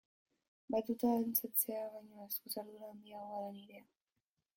Batuta dantzatzea baino askoz ardura handiagoa da nirea.